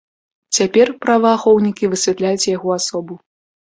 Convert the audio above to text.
Цяпер праваахоўнікі высвятляюць яго асобу.